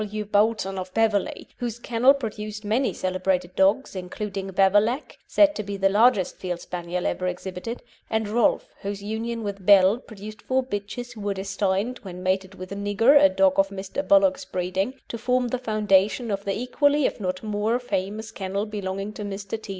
W. Boulton, of Beverley, whose kennel produced many celebrated dogs, including Beverlac, said to be the largest Field Spaniel ever exhibited, and Rolf, whose union with Belle produced four bitches who were destined, when mated with Nigger, a dog of Mr. Bullock's breeding, to form the foundation of the equally if not more famous kennel belonging to Mr. T.